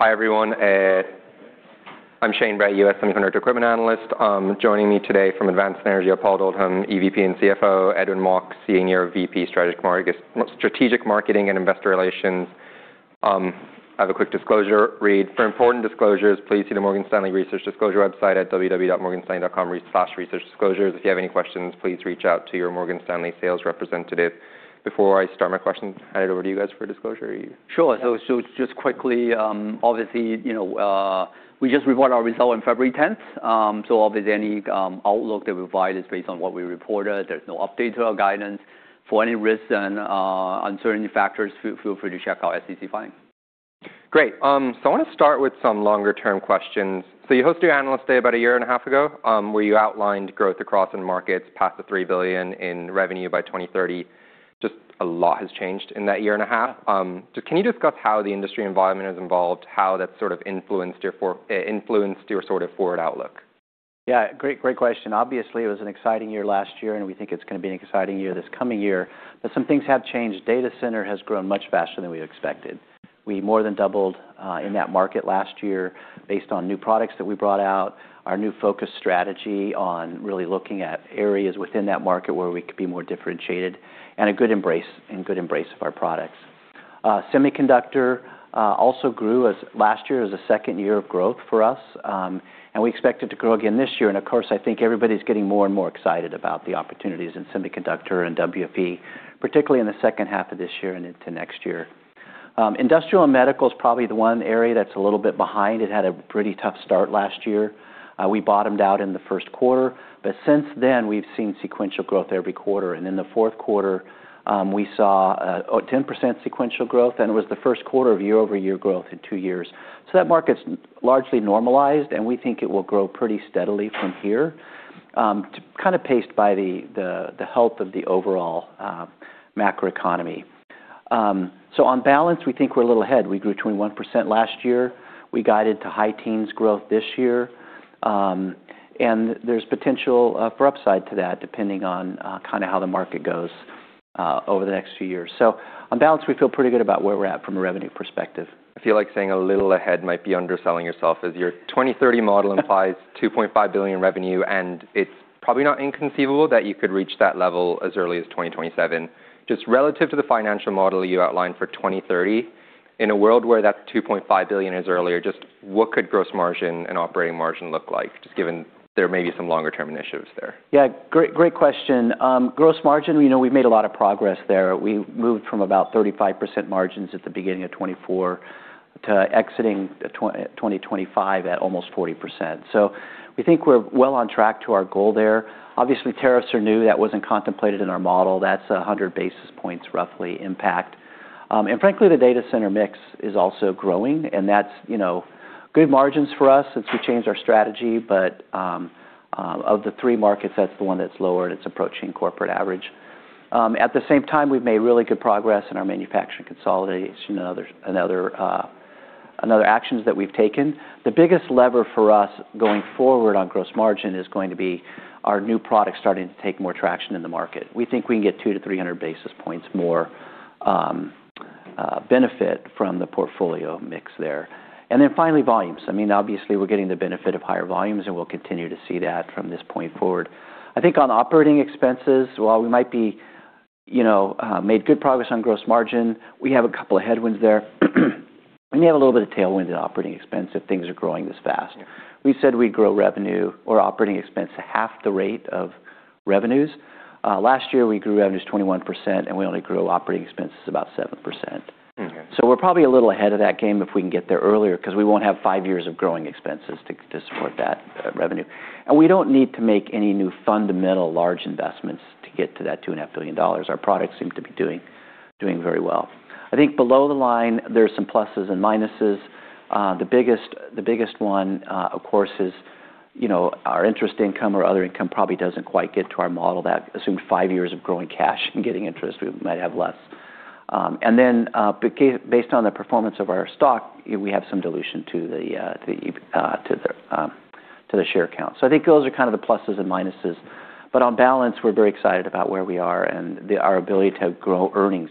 Hi, everyone. I'm Shane Brett, U.S. semiconductor equipment analyst. Joining me today from Advanced Energy are Paul Oldham, EVP and CFO, Edwin Mok, Senior VP Strategic Marketing and Investor Relations. I have a quick disclosure read. For important disclosures, please see the Morgan Stanley Research Disclosure website at www.morganstanley.com/researchdisclosures. If you have any questions, please reach out to your Morgan Stanley sales representative. Before I start my questions, hand it over to you guys for disclosure. Are you? Sure. just quickly, obviously, you know, we just reported our result on 10 February. Obviously any outlook that we provide is based on what we reported. There's no update to our guidance. For any risks and uncertainty factors, feel free to check our SEC filing. Great. I wanna start with some longer term questions. You hosted your analyst day about a year and a half ago, where you outlined growth across end markets, past the $3 billion in revenue by 2030. Just a lot has changed in that year and a half. Can you discuss how the industry environment has evolved, how that's sort of influenced your sort of forward outlook? Yeah. Great, great question. Obviously, it was an exciting year last year, and we think it's gonna be an exciting year this coming year, but some things have changed. Data center has grown much faster than we expected. We more than doubled in that market last year based on new products that we brought out, our new focus strategy on really looking at areas within that market where we could be more differentiated, and a good embrace of our products. Semiconductor also grew as last year as a second year of growth for us. We expect it to grow again this year. Of course, I think everybody's getting more and more excited about the opportunities in semiconductor and WFE, particularly in the second half of this year and into next year. Industrial and medical is probably the one area that's a little bit behind. It had a pretty tough start last year. We bottomed out in the first quarter. Since then, we've seen sequential growth every quarter. In the fourth quarter, we saw a 10% sequential growth, and it was the first quarter of year-over-year growth in two years. That market's largely normalized, and we think it will grow pretty steadily from here, to kind of paced by the health of the overall macroeconomy. On balance, we think we're a little ahead. We grew 21% last year. We guided to high teens growth this year. There's potential for upside to that depending on kinda how the market goes over the next few years. On balance, we feel pretty good about where we're at from a revenue perspective. I feel like saying a little ahead might be underselling yourself as your 2030 model implies $2.5 billion in revenue. It's probably not inconceivable that you could reach that level as early as 2027. Just relative to the financial model you outlined for 2030, in a world where that $2.5 billion is earlier, just what could gross margin and operating margin look like, just given there may be some longer term initiatives there? Yeah. Great, great question. Gross margin, you know, we've made a lot of progress there. We moved from about 35% margins at the beginning of 2024 to exiting 2025 at almost 40%. We think we're well on track to our goal there. Obviously, tariffs are new. That wasn't contemplated in our model. That's a 100 basis points roughly impact. Frankly, the data center mix is also growing, and that's, you know, good margins for us since we changed our strategy. Of the three markets, that's the one that's lower, and it's approaching corporate average. At the same time, we've made really good progress in our manufacturing consolidation and other actions that we've taken. The biggest lever for us going forward on gross margin is going to be our new products starting to take more traction in the market. We think we can get 200-300 basis points more benefit from the portfolio mix there. Finally, volumes. I mean, obviously, we're getting the benefit of higher volumes, and we'll continue to see that from this point forward. I think on operating expenses, while we might be, you know, made good progress on gross margin, we have a couple of headwinds there. We may have a little bit of tailwind in operating expense if things are growing this fast. We said we'd grow revenue or operating expense at half the rate of revenues. Last year, we grew revenues 21%, we only grew operating expenses about 7%. We're probably a little ahead of that game 'cause we won't have five years of growing expenses to support that revenue. We don't need to make any new fundamental large investments to get to that two and a half billion dollars. Our products seem to be doing very well. I think below the line, there are some pluses and minuses. The biggest one, of course, is, you know, our interest income or other income probably doesn't quite get to our model that assumed five years of growing cash and getting interest, we might have less. Based on the performance of our stock, we have some dilution to the share count. I think those are kind of the pluses and minuses. On balance, we're very excited about where we are and our ability to grow earnings,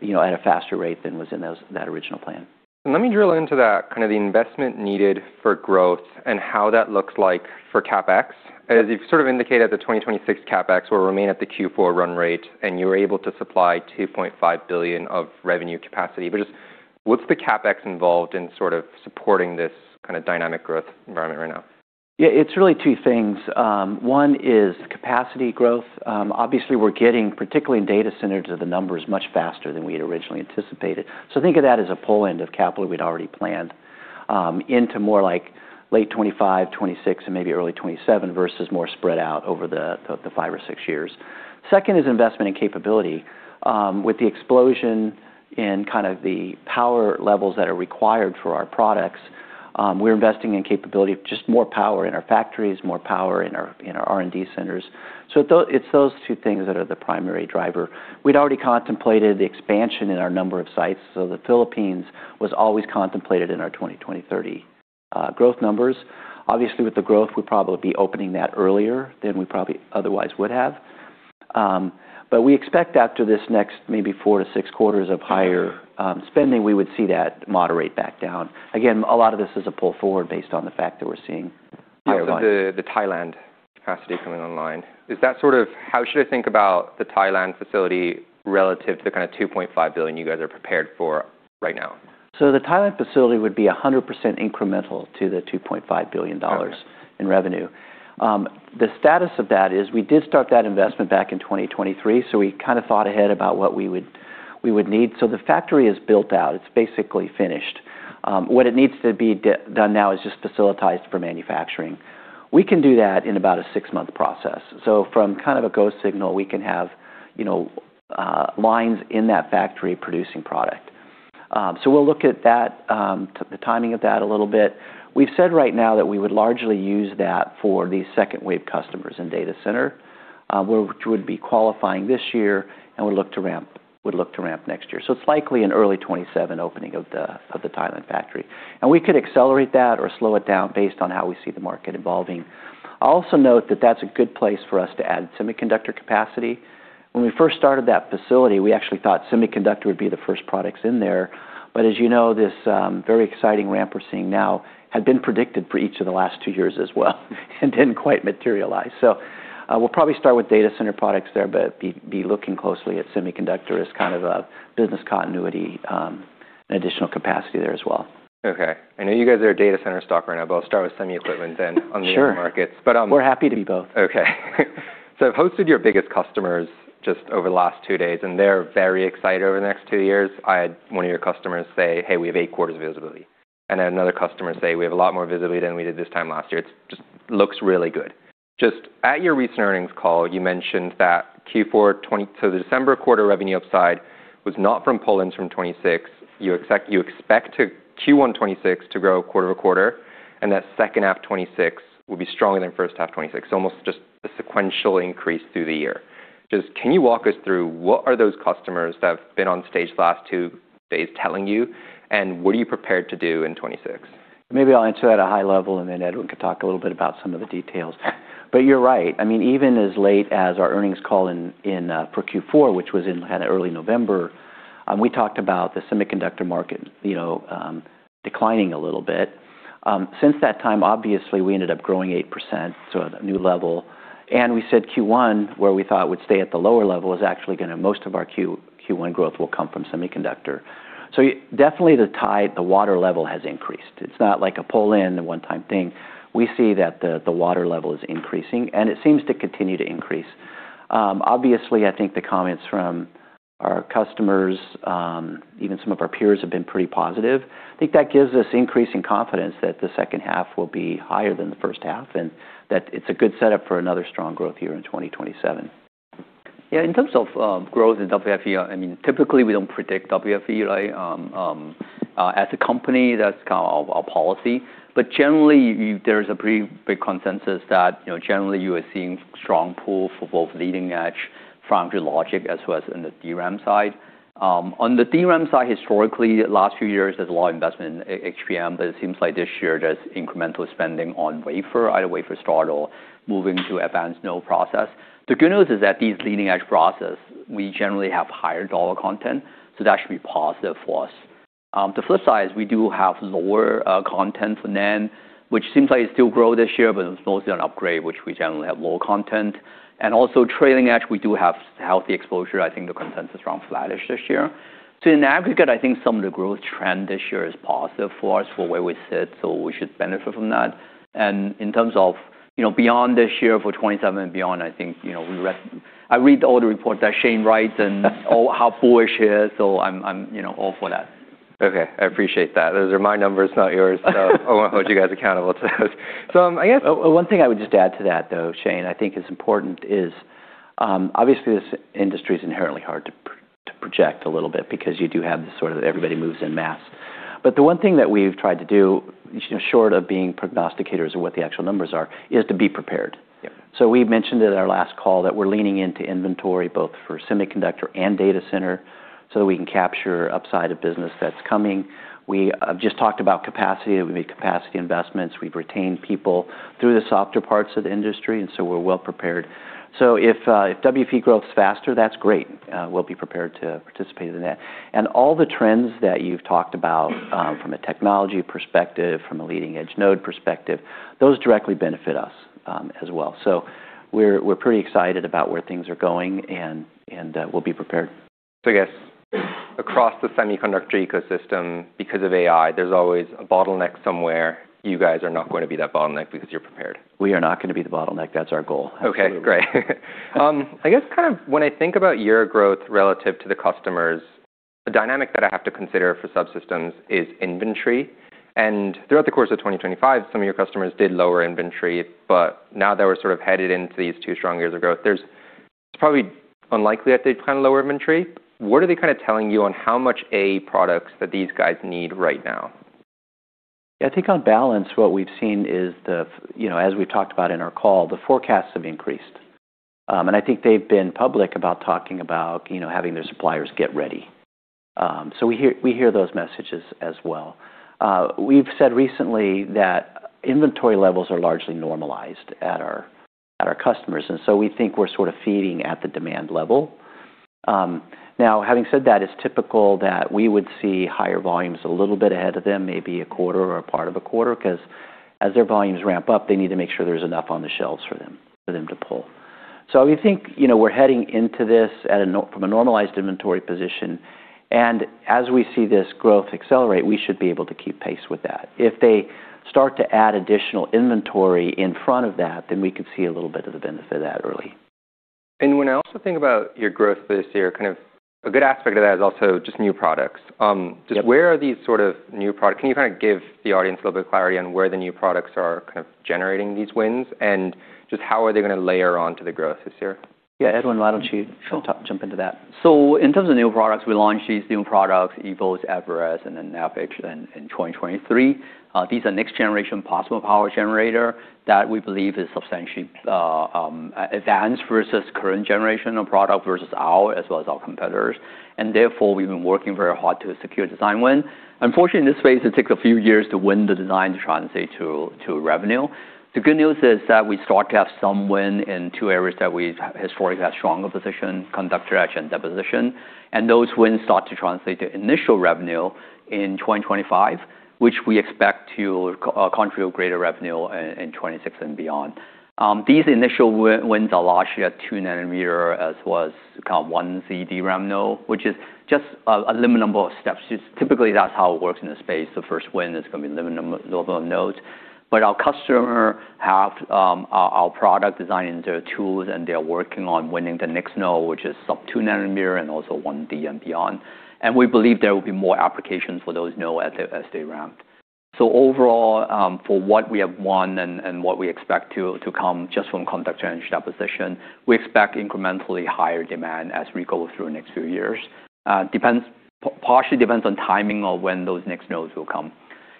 you know, at a faster rate than was in that original plan. Let me drill into that, kind of the investment needed for growth and how that looks like for CapEx. As you've sort of indicated, the 2026 CapEx will remain at the Q4 run rate, and you were able to supply $2.5 billion of revenue capacity. Just what's the CapEx involved in sort of supporting this kind of dynamic growth environment right now? Yeah, it's really two things. One is capacity growth. Obviously, we're getting, particularly in data centers, are the numbers much faster than we had originally anticipated. Think of that as a pull end of capital we'd already planned, into more like late 2025, 2026, and maybe early 2027 versus more spread out over the five or six years. Second is investment in capability. With the explosion in kind of the power levels that are required for our products, we're investing in capability of just more power in our factories, more power in our R&D centers. It's those two things that are the primary driver. We'd already contemplated the expansion in our number of sites. The Philippines was always contemplated in our 2030 growth numbers. Obviously, with the growth, we'd probably be opening that earlier than we probably otherwise would have. We expect after this next maybe four to six quarters of higher spending, we would see that moderate back down. Again, a lot of this is a pull forward based on the fact that we're seeing higher volume. Yeah. The, the Thailand capacity coming online. How should I think about the Thailand facility relative to the kinda $2.5 billion you guys are prepared for right now? The Thailand facility would be 100% incremental to the $2.5 billion in revenue. The status of that is we did start that investment back in 2023, we kinda thought ahead about what we would need. The factory is built out. It's basically finished. What it needs to be done now is just facilitized for manufacturing. We can do that in about a six-month process. From kind of a go signal, we can have, you know, lines in that factory producing product. We'll look at that, the timing of that a little bit. We've said right now that we would largely use that for the second wave customers in data center, which would be qualifying this year and would look to ramp next year. It's likely an early 2027 opening of the Thailand factory. We could accelerate that or slow it down based on how we see the market evolving. I'll also note that that's a good place for us to add semiconductor capacity. When we first started that facility, we actually thought semiconductor would be the first products in there. As you know, this very exciting ramp we're seeing now had been predicted for each of the last two years as well and didn't quite materialize. We'll probably start with data center products there, but be looking closely at semiconductor as kind of a business continuity, additional capacity there as well. Okay. I know you guys are a data center stock right now. I'll start with semi equipment on the end markets. We're happy to be both. Okay. I've hosted your biggest customers just over the last two days, and they're very excited over the next two years. I had one of your customers say, "Hey, we have eight quarters of visibility." Another customer say, "We have a lot more visibility than we did this time last year." It's just looks really good. Just at your recent earnings call, you mentioned that Q4, so the December quarter revenue upside was not from pull-ins from 2026. You expect Q1 2026 to grow quarter-over-quarter, and that second half 2026 will be stronger than first half 2026. Almost just a sequential increase through the year. Just can you walk us through what are those customers that have been on stage the last 2 days telling you, and what are you prepared to do in 2026? Maybe I'll answer at a high level, and then Edwin can talk a little bit about some of the details. You're right. I mean, even as late as our earnings call in for Q4, which was in kinda early November, we talked about the semiconductor market, you know, declining a little bit. Since that time, obviously, we ended up growing 8%, so a new level. We said Q1, where we thought it would stay at the lower level, is actually gonna most of our Q1 growth will come from semiconductor. Definitely the tide, the water level has increased. It's not like a pull-in, a one-time thing. We see that the water level is increasing, and it seems to continue to increase. Obviously, I think the comments from our customers, even some of our peers have been pretty positive. I think that gives us increasing confidence that the second half will be higher than the first half, and that it's a good setup for another strong growth year in 2027. Yeah. In terms of growth in WFE, I mean, typically, we don't predict WFE, right? As a company, that's kind of our policy. Generally, you know, there's a pretty big consensus that, you know, generally you are seeing strong pull for both leading-edge foundry logic as well as in the DRAM side. On the DRAM side, historically, last few years, there's a lot of investment in HBM, it seems like this year there's incremental spending on wafer, either wafer start or moving to advanced node process. The good news is that these leading-edge process, we generally have higher dollar content, so that should be positive for us. The flip side is we do have lower content for NAND, which seems like it still grow this year, but it's mostly on upgrade, which we generally have lower content. Also trailing edge, we do have healthy exposure. I think the consensus is around flattish this year. In aggregate, I think some of the growth trend this year is positive for us for where we sit, so we should benefit from that. In terms of, you know, beyond this year, for 2027 and beyond, I think, you know, I read all the reports that Shane writes how bullish he is, so I'm, you know, all for that. Okay. I appreciate that. Those are my numbers, not yours. I wanna hold you guys accountable to those. One thing I would just add to that, though, Shane, I think is important is, obviously, this industry is inherently hard to project a little bit because you do have this sort of everybody moves en masse. The one thing that we've tried to do, you know, short of being prognosticators of what the actual numbers are, is to be prepared. We mentioned at our last call that we're leaning into inventory both for semiconductor and data center so that we can capture upside of business that's coming. We just talked about capacity. We made capacity investments. We've retained people through the softer parts of the industry, and so we're well prepared. If WFE growth's faster, that's great. We'll be prepared to participate in that. All the trends that you've talked about, from a technology perspective, from a leading edge node perspective, those directly benefit us as well. We're pretty excited about where things are going and we'll be prepared. I guess across the semiconductor ecosystem, because of AI, there's always a bottleneck somewhere. You guys are not going to be that bottleneck because you're prepared. We are not gonna be the bottleneck. That's our goal. Okay, great. I guess kind of when I think about your growth relative to the customers, the dynamic that I have to consider for subsystems is inventory. Throughout the course of 2025, some of your customers did lower inventory, but now that we're sort of headed into these two strong years of growth, it's probably unlikely that they plan to lower inventory. What are they kinda telling you on how much AE products that these guys need right now? I think on balance, what we've seen is you know, as we talked about in our call, the forecasts have increased. I think they've been public about talking about, you know, having their suppliers get ready. We hear those messages as well. We've said recently that inventory levels are largely normalized at our customers, we think we're sort of feeding at the demand level. Now, having said that, it's typical that we would see higher volumes a little bit ahead of them, maybe a quarter or a part of a quarter, 'cause as their volumes ramp up, they need to make sure there's enough on the shelves for them to pull. We think, you know, we're heading into this from a normalized inventory position, and as we see this growth accelerate, we should be able to keep pace with that. If they start to add additional inventory in front of that, then we could see a little bit of the benefit of that early. When I also think about your growth this year, kind of a good aspect of that is also just new products. Just where are these sort of new products? Can you kind of give the audience a little bit of clarity on where the new products are kind of generating these wins, just how are they gonna layer on to the growth this year? Yeah. Edwin, why don't you jump into that? In terms of new products, we launched these new products, eVoS, eVerest, and then NavX in 2023. These are next generation possible power generator that we believe is substantially advanced versus current generation of product versus our, as well as our competitors. Therefore, we've been working very hard to secure design win. Unfortunately, this phase, it takes a few years to win the design to translate to revenue. The good news is that we start to have some win in two areas that we've historically had stronger position, conductor etch and deposition, and those wins start to translate to initial revenue in 2025, which we expect to contribute greater revenue in 2026 and beyond. These initial wins are largely at 2 nanometer, as was kind of 1c/1d ramp node, which is just a minimal number of steps. Just typically, that's how it works in the space. The first win is gonna be limited nodes. But our customer have our product design into tools, and they are working on winning the next node, which is sub 2 nanometer and also 1D and beyond. We believe there will be more applications for those node as they ramp. Overall, for what we have won and what we expect to come just from conductor and deposition, we expect incrementally higher demand as we go through the next few years. Partially depends on timing of when those next nodes will come.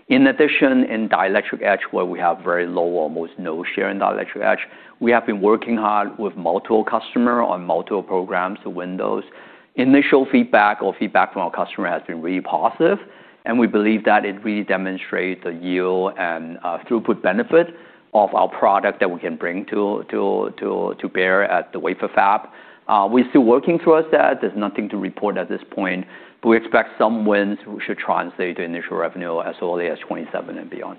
In addition, in dielectric etch, where we have very low or almost no share in dielectric etch, we have been working hard with multiple customer on multiple programs to win those. Initial feedback or feedback from our customer has been really positive, and we believe that it really demonstrates the yield and throughput benefit of our product that we can bring to bear at the wafer fab. We're still working through our set. There's nothing to report at this point. We expect some wins, which should translate to initial revenue as early as 2027 and beyond.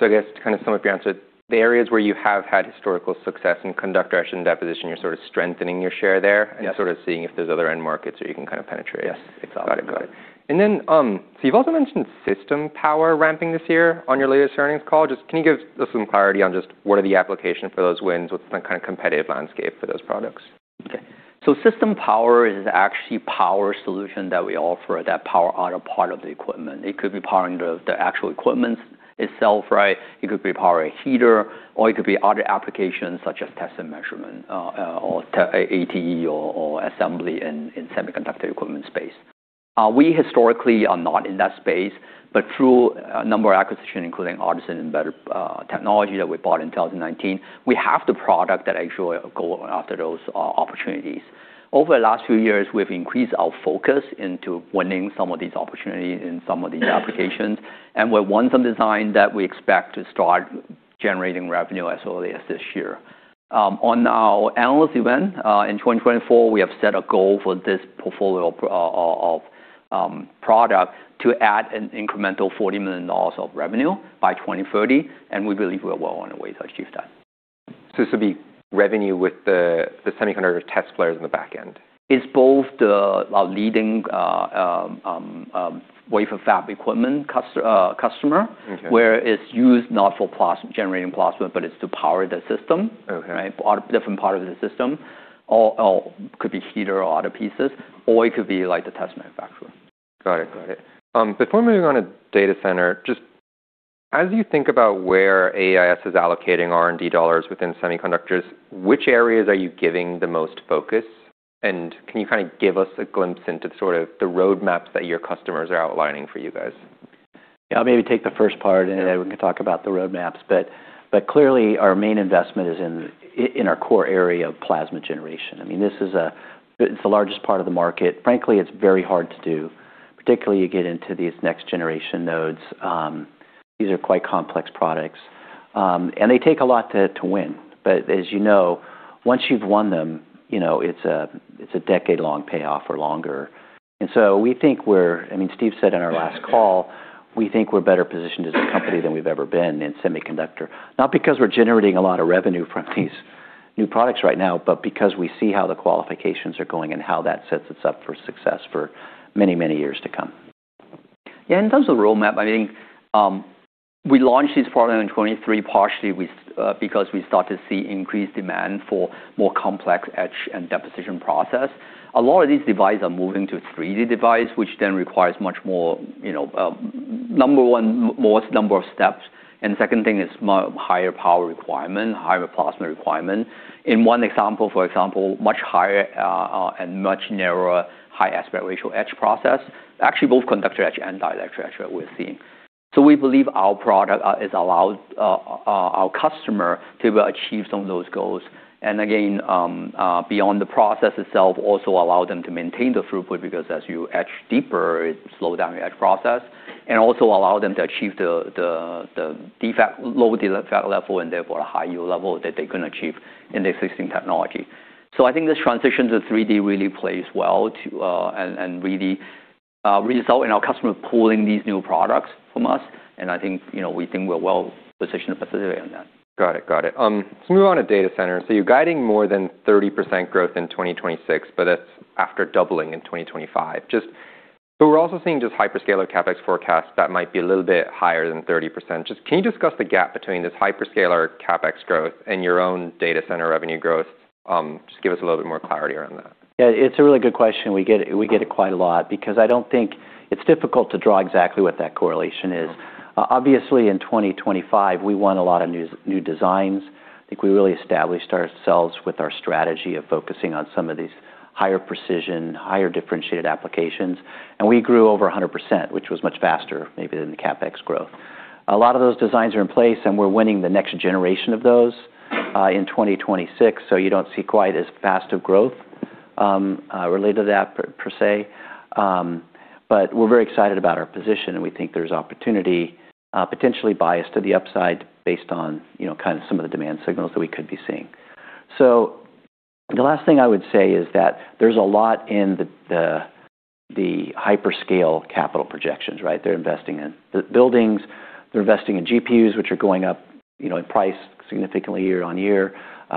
I guess to kind of sum up your answer, the areas where you have had historical success in conductor etch and deposition, you're sort of strengthening your share there sort of seeing if there's other end markets that you can kind of penetrate. Yes, exactly. Got it. Got it. You've also mentioned System Power ramping this year on your latest earnings call. Can you give us some clarity on just what are the application for those wins with the kind of competitive landscape for those products? System Power is actually power solution that we offer that power other part of the equipment. It could be powering the actual equipment itself, right? It could be power a heater, or it could be other applications, such as test and measurement, ATE or assembly in semiconductor equipment space. We historically are not in that space, but through a number of acquisition, including Artesyn Embedded Technologies that we bought in 2019, we have the product that actually go after those opportunities. Over the last few years, we've increased our focus into winning some of these opportunities in some of these applications, and we've won some design that we expect to start generating revenue as early as this year. On our analyst event, in 2024, we have set a goal for this portfolio of product to add an incremental $40 million of revenue by 2030, and we believe we are well on our way to achieve that. This would be revenue with the semiconductor test players on the back end. It's both the, our leading, wafer fab equipment customer where it's used not for generating plasma, but it's to power the system. Right? Different part of the system or could be heater or other pieces, or it could be like the test manufacturer. Got it. Got it. Before moving on to data center, just as you think about where AEIS is allocating R&D dollars within semiconductors, which areas are you giving the most focus, and can you kind of give us a glimpse into sort of the roadmaps that your customers are outlining for you guys? I'll maybe take the first part, and then we can talk about the roadmaps. Clearly, our main investment is in our core area of plasma generation. I mean, this is, it's the largest part of the market. Frankly, it's very hard to do, particularly you get into these next generation nodes. These are quite complex products, and they take a lot to win. As you know, once you've won them, you know, it's a decade-long payoff or longer. I mean, Steve said in our last call, we think we're better positioned as a company than we've ever been in semiconductor, not because we're generating a lot of revenue from these new products right now, but because we see how the qualifications are going and how that sets us up for success for many, many years to come. Yeah, in terms of the roadmap, I think, we launched this product in 2023, partially because we start to see increased demand for more complex etch and deposition process. A lot of these device are moving to 3D device, which then requires much more, you know, number 1, more number of steps, and second thing is higher power requirement, higher plasma requirement. In one example, for example, much higher, and much narrower high aspect ratio etch process. Actually, both conductor etch and dielectric etch that we're seeing. We believe our product has allowed our customer to achieve some of those goals. Again, beyond the process itself, also allow them to maintain the throughput because as you etch deeper, it slow down your etch process, and also allow them to achieve the low defect level and therefore a high yield level that they couldn't achieve in the existing technology. I think this transition to 3D really plays well to and really result in our customers pulling these new products from us. I think, you know, we think we're well-positioned to facilitate on that. Got it. Got it. Let's move on to data center. You're guiding more than 30% growth in 2026, but that's after doubling in 2025. We're also seeing just hyperscaler CapEx forecast that might be a little bit higher than 30%. Just can you discuss the gap between this hyperscaler CapEx growth and your own data center revenue growth? Just give us a little bit more clarity around that. Yeah, it's a really good question. We get it quite a lot because I don't think it's difficult to draw exactly what that correlation is. Obviously, in 2025, we won a lot of new designs. I think we really established ourselves with our strategy of focusing on some of these higher precision, higher differentiated applications. We grew over 100%, which was much faster maybe than the CapEx growth. A lot of those designs are in place, we're winning the next generation of those in 2026, you don't see quite as fast of growth related to that per se. We're very excited about our position, we think there's opportunity potentially biased to the upside based on, you know, kind of some of the demand signals that we could be seeing. The last thing I would say is that there's a lot in the hyperscale capital projections, right? They're investing in buildings, they're investing in GPUs, which are going up, you know, in price significantly year on year.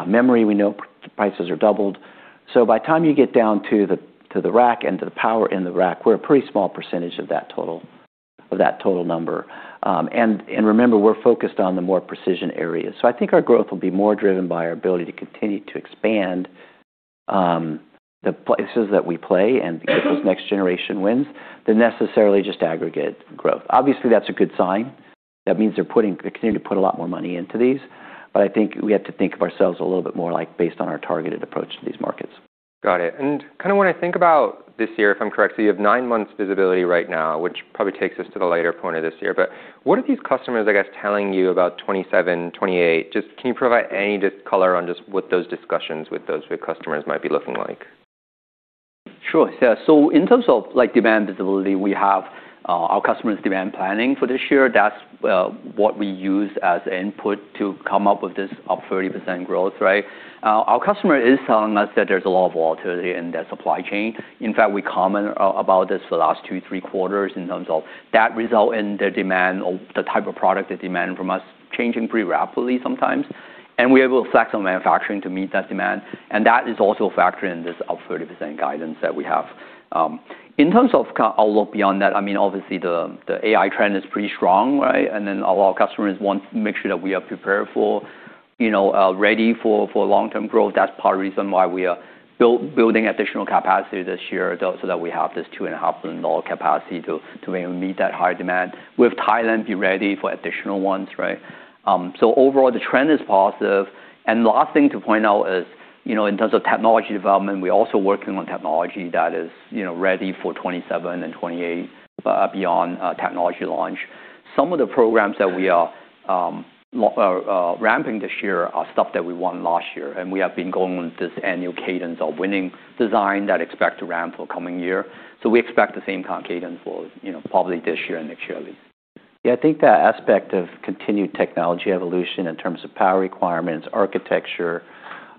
Memory, we know prices are doubled. By the time you get down to the rack and to the power in the rack, we're a pretty small % of that total number. And remember, we're focused on the more precision areas. I think our growth will be more driven by our ability to continue to expand the places that we play and get those next generation wins than necessarily just aggregate growth. Obviously, that's a good sign. That means they continue to put a lot more money into these. I think we have to think of ourselves a little bit more, like, based on our targeted approach to these markets. Got it. Kind of when I think about this year, if I'm correct, so you have nine months visibility right now, which probably takes us to the later point of this year. What are these customers, I guess, telling you about 2027, 2028? Just can you provide any just color on just what those discussions with those big customers might be looking like? Sure. Yeah. In terms of, like, demand visibility, we have, our customers demand planning for this year. That's what we use as input to come up with this up 30% growth, right. Our customer is telling us that there's a lot of volatility in their supply chain. In fact, we comment about this for the last two, three quarters in terms of that result in their demand or the type of product they demand from us changing pretty rapidly sometimes. We're able to flex on manufacturing to meet that demand. That is also a factor in this up 30% guidance that we have. In terms of a look beyond that, I mean, obviously, the AI trend is pretty strong, right. Then a lot of customers want to make sure that we are prepared for, you know, ready for long-term growth. That's part of the reason why we are building additional capacity this year, so that we have this $2.5 billion capacity to meet that higher demand. We have Thailand be ready for additional ones, right? Overall, the trend is positive. The last thing to point out is, you know, in terms of technology development, we're also working on technology that is, you know, ready for 2027 and 2028, beyond technology launch. Some of the programs that we are ramping this year are stuff that we won last year, and we have been going with this annual cadence of winning design that expect to ramp for coming year. we expect the same kind of cadence for, you know, probably this year and next year at least. I think that aspect of continued technology evolution in terms of power requirements, architecture,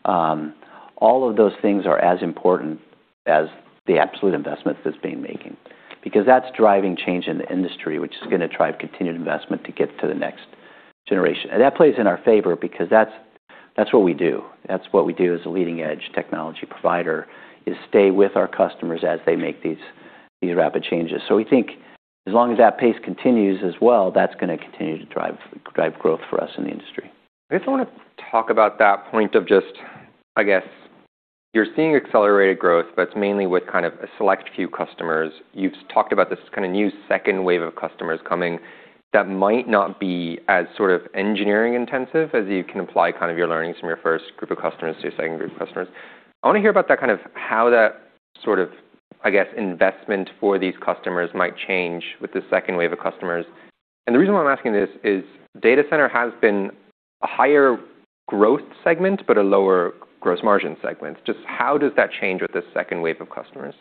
all of those things are as important as the absolute investments that's being making because that's driving change in the industry, which is gonna drive continued investment to get to the next generation. That plays in our favor because that's what we do. That's what we do as a leading-edge technology provider, is stay with our customers as they make these rapid changes. We think as long as that pace continues as well, that's gonna continue to drive growth for us in the industry. I guess I wanna talk about that point of just, I guess, you're seeing accelerated growth, but it's mainly with kind of a select few customers. You've talked about this kind of new second wave of customers coming that might not be as sort of engineering-intensive as you can apply kind of your learnings from your first group of customers to your second group of customers. I wanna hear about that, kind of how that sort of, I guess, investment for these customers might change with the second wave of customers. The reason why I'm asking this is data center has been a higher growth segment, but a lower gross margin segment. Just how does that change with the second wave of customers?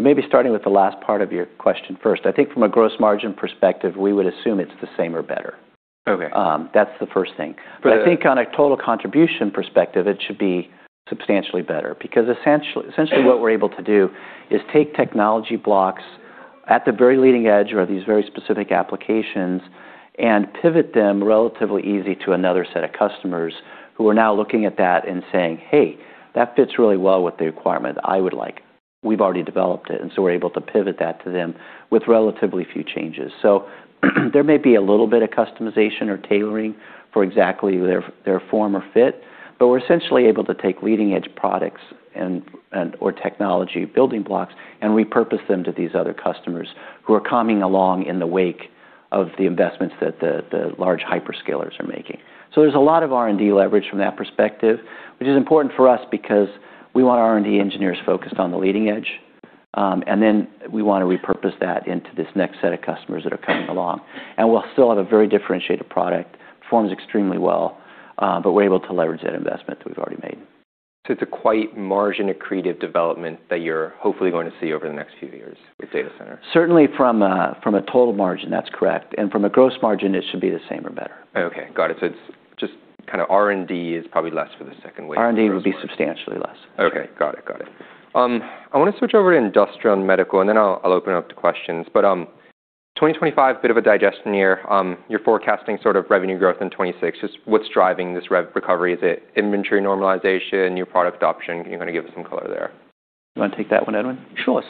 Maybe starting with the last part of your question first. I think from a gross margin perspective, we would assume it's the same or better. That's the first thing. I think on a total contribution perspective, it should be substantially better because essentially what we're able to do is take technology blocks at the very leading edge or these very specific applications and pivot them relatively easy to another set of customers who are now looking at that and saying, "Hey, that fits really well with the requirement I would like." We've already developed it. We're able to pivot that to them with relatively few changes. There may be a little bit of customization or tailoring for exactly their form or fit, but we're essentially able to take leading-edge products and/or technology building blocks and repurpose them to these other customers who are coming along in the wake of the investments that the large hyperscalers are making. There's a lot of R&D leverage from that perspective, which is important for us because we want our R&D engineers focused on the leading edge. Then we want to repurpose that into this next set of customers that are coming along. We'll still have a very differentiated product, forms extremely well, but we're able to leverage that investment that we've already made. It's a quite margin-accretive development that you're hopefully going to see over the next few years with data center. Certainly from a total margin. That's correct. From a gross margin, it should be the same or better. Okay. Got it. It's just kind of R&D is probably less for the second wave. R&D would be substantially less. Okay. Got it. Got it. I want to switch over to industrial and medical, and then I'll open it up to questions. 2025, bit of a digestion year. You're forecasting sort of revenue growth in 2026. Just what's driving this rev recovery? Is it inventory normalization, new product adoption? You wanna give some color there? You wanna take that one, Edwin? Sure.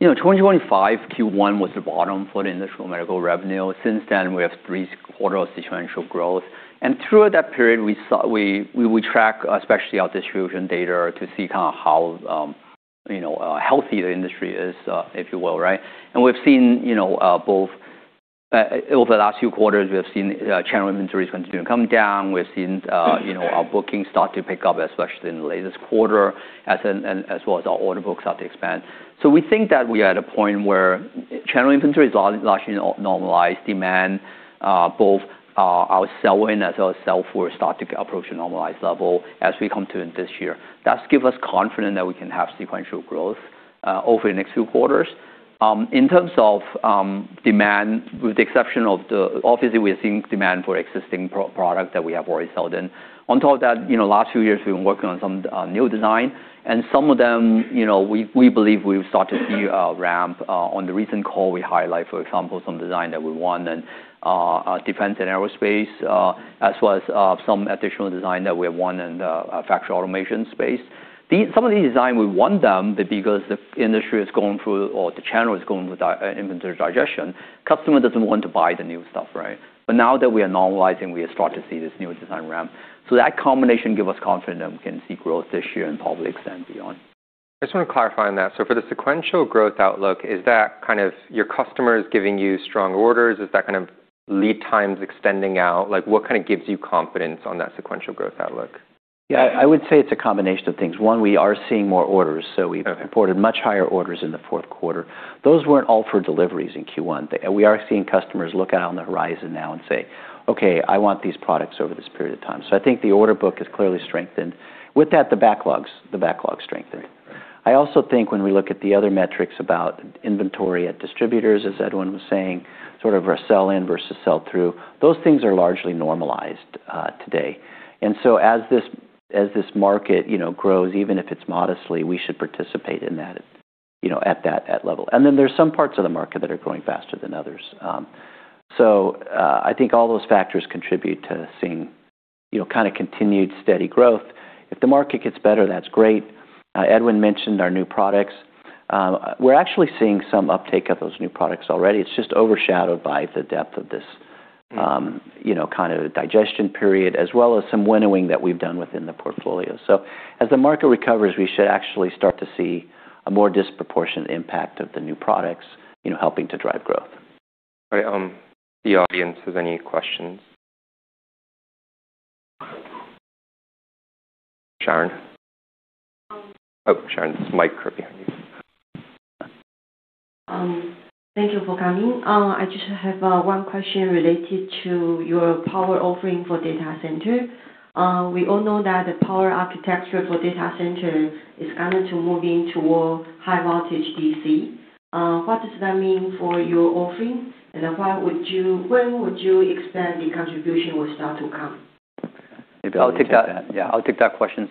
You know, 2025 Q1 was the bottom for the industrial and medical revenue. Since then, we have three quarter of sequential growth. Through that period, we would track, especially our distribution data to see kind of how, you know, healthy the industry is, if you will, right? We've seen, you know, both over the last few quarters, we have seen channel inventories continue to come down. We've seen, you know, our bookings start to pick up, especially in the latest quarter as well as our order books start to expand. We think that we are at a point where channel inventory is largely normalized. Demand, both our sell-in as well as sell through start to approach a normalized level as we come to end this year. That gives us confident that we can have sequential growth over the next few quarters. In terms of demand, with the exception of the. Obviously, we are seeing demand for existing product that we have already sold in. On top of that, you know, last few years, we've been working on some new design, and some of them, you know, we believe we've started to see a ramp. On the recent call, we highlight, for example, some design that we won and defense and aerospace, as well as some additional design that we have won in the factory automation space. Some of these design, we want them, but because the industry is going through or the channel is going through inventory digestion, customer doesn't want to buy the new stuff, right? Now that we are normalizing, we start to see this new design ramp. That combination give us confidence that we can see growth this year and probably extend beyond. I just want to clarify on that. For the sequential growth outlook, is that kind of your customers giving you strong orders? Is that kind of lead times extending out? Like, what kind of gives you confidence on that sequential growth outlook? Yeah, I would say it's a combination of things. One, we are seeing more orders imported much higher orders in the fourth quarter. Those weren't all for deliveries in Q1. We are seeing customers look out on the horizon now and say, "Okay, I want these products over this period of time." I think the order book is clearly strengthened. With that, the backlogs strengthened. I also think when we look at the other metrics about inventory at distributors, as Edwin was saying, sort of our sell-in versus sell-through, those things are largely normalized, today. As this market, you know, grows, even if it's modestly, we should participate in that, you know, at that level. Then there's some parts of the market that are growing faster than others. I think all those factors contribute to seeing, you know, kind of continued steady growth. If the market gets better, that's great. Edwin mentioned our new products. We're actually seeing some uptake of those new products already. It's just overshadowed by the depth of this, you know, kind of digestion period, as well as some winnowing that we've done within the portfolio. As the market recovers, we should actually start to see a more disproportionate impact of the new products, you know, helping to drive growth. All right. The audience, if any questions. Sharon? Oh, Sharon, there's a mic right behind you. Thank you for coming. I just have one question related to your power offering for data center. We all know that the power architecture for data center is going to move into a high voltage DC. What does that mean for your offering? When would you expect the contribution will start to come? Maybe I'll take that. I'll take that question.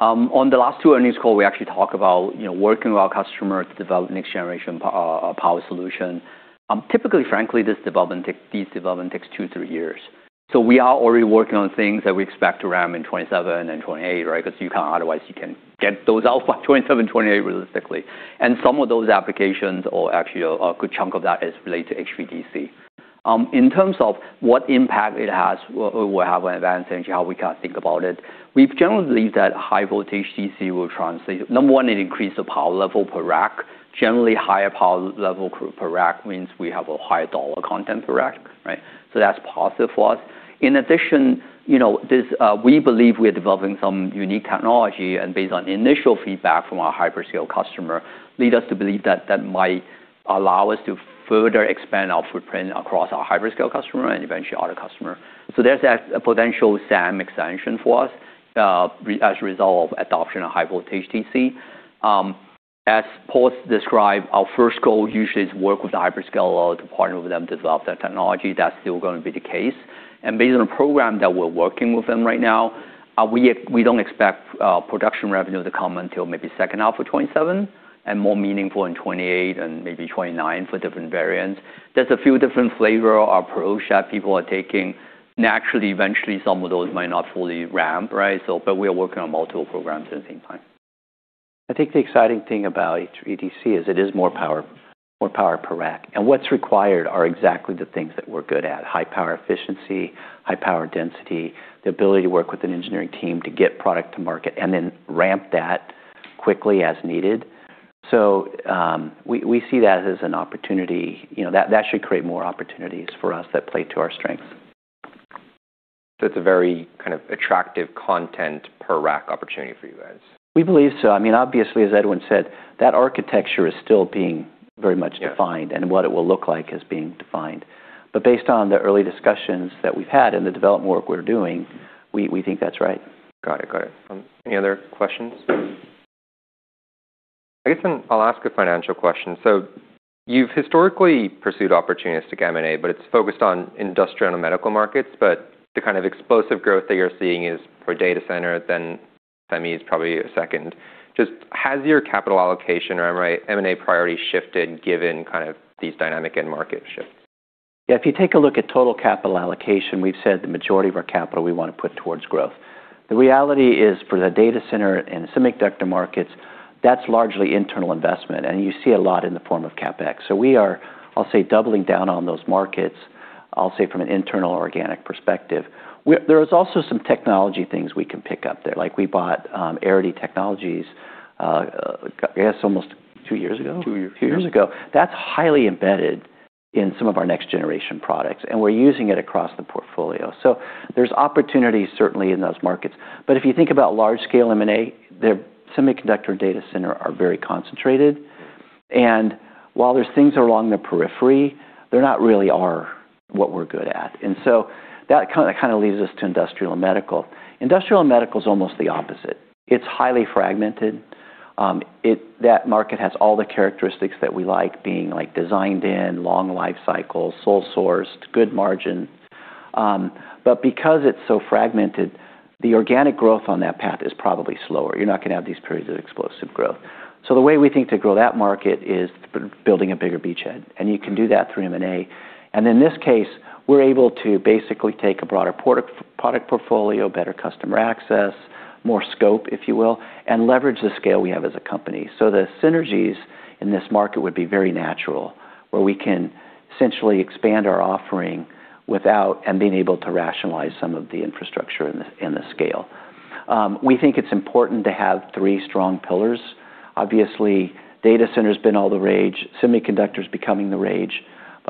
On the last two earnings call, we actually talk about, you know, working with our customer to develop next generation power solution. Typically, frankly, these development takes two, three years. We are already working on things that we expect to ramp in 2027 and 2028, right? 'Cause you can't get those out by 2027, 2028 realistically. Some of those applications or actually a good chunk of that is related to HVDC. In terms of what impact it has or will have in Advanced Energy and how we can think about it, we generally believe that high voltage DC will translate. Number one, it increase the power level per rack. Generally, higher power level per rack means we have a higher dollar content per rack, right? That's positive for us. In addition, you know, this, we believe we're developing some unique technology, and based on initial feedback from our hyperscale customer, lead us to believe that that might allow us to further expand our footprint across our hyperscale customer and eventually other customer. There's a potential SAM expansion for us as a result of adoption of high voltage DC. As Paul described, our first goal usually is work with the hyperscale to partner with them, develop that technology. That's still gonna be the case. Based on a program that we're working with them right now, we don't expect production revenue to come until maybe second half of 2027 and more meaningful in 2028 and maybe 2029 for different variants. There's a few different flavor approach that people are taking. Naturally, eventually, some of those might not fully ramp, right? We are working on multiple programs at the same time. I think the exciting thing about HVDC is it is more power, more power per rack. What's required are exactly the things that we're good at: high power efficiency, high power density, the ability to work with an engineering team to get product to market and then ramp that quickly as needed. We see that as an opportunity. You know, that should create more opportunities for us that play to our strengths. That's a very kind of attractive content per rack opportunity for you guys. We believe so. I mean, obviously, as Edwin said, that architecture is still being very much defined and what it will look like is being defined. Based on the early discussions that we've had and the development work we're doing, we think that's right. Got it. Got it. Any other questions? I guess I'll ask a financial question. You've historically pursued opportunistic M&A, but it's focused on industrial and medical markets. The kind of explosive growth that you're seeing is for data center, semi is probably a second. Just has your capital allocation or M&A priority shifted given kind of these dynamic end market shifts? Yeah. If you take a look at total capital allocation, we've said the majority of our capital we wanna put towards growth. The reality is for the data center and semiconductor markets, that's largely internal investment, and you see a lot in the form of CapEx. We are, I'll say, doubling down on those markets, I'll say from an internal organic perspective. There is also some technology things we can pick up there, like we bought Artesyn Embedded Technologies I guess almost two years ago. Two years ago. That's highly embedded in some of our next generation products, we're using it across the portfolio. There's opportunities certainly in those markets. If you think about large scale M&A, the semiconductor data center are very concentrated. While there's things along the periphery, they're not really our what we're good at. That kinda leads us to industrial and medical. Industrial and medical is almost the opposite. It's highly fragmented. That market has all the characteristics that we like being like designed in, long life cycles, sole sourced, good margin. Because it's so fragmented, the organic growth on that path is probably slower. You're not gonna have these periods of explosive growth. The way we think to grow that market is building a bigger beachhead, and you can do that through M&A. In this case, we're able to basically take a broader product portfolio, better customer access, more scope, if you will, and leverage the scale we have as a company. The synergies in this market would be very natural, where we can essentially expand our offering without and being able to rationalize some of the infrastructure and the, and the scale. We think it's important to have three strong pillars. Obviously, data center's been all the rage, semiconductor's becoming the rage.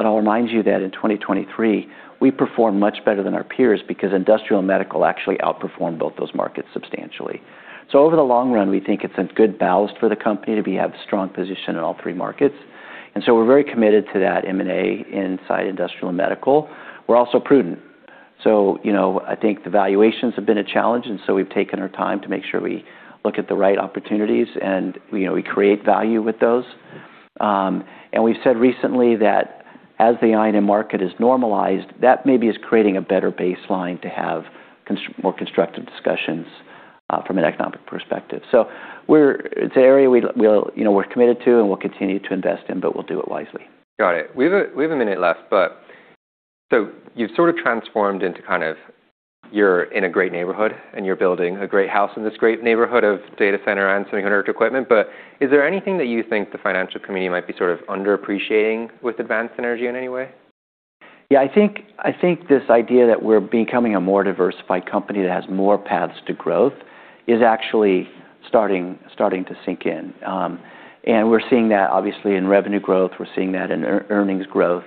I'll remind you that in 2023, we performed much better than our peers because industrial and medical actually outperformed both those markets substantially. Over the long run, we think it's a good ballast for the company to be have strong position in all three markets. We're very committed to that M&A inside industrial and medical. We're also prudent. You know, I think the valuations have been a challenge, we've taken our time to make sure we look at the right opportunities and, you know, we create value with those. We've said recently that as the INM market is normalized, that maybe is creating a better baseline to have more constructive discussions from an economic perspective. It's an area we'll, you know, we're committed to and we'll continue to invest in, but we'll do it wisely. Got it. We've a minute left. You've sort of transformed into kind of you're in a great neighborhood, and you're building a great house in this great neighborhood of data center and semiconductor equipment. Is there anything that you think the financial community might be sort of underappreciating with Advanced Energy in any way? I think this idea that we're becoming a more diversified company that has more paths to growth is actually starting to sink in. We're seeing that obviously in revenue growth, we're seeing that in earnings growth.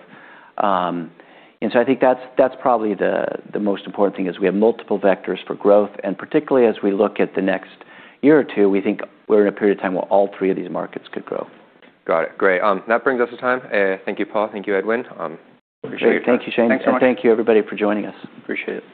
I think that's probably the most important thing, is we have multiple vectors for growth, and particularly as we look at the next year or two, we think we're in a period of time where all three of these markets could grow. Got it. Great. That brings us to time. Thank you, Paul. Thank you, Edwin. Appreciate your time. Great. Thank you, Shane. Thanks so much. Thank you, everybody, for joining us. Appreciate it.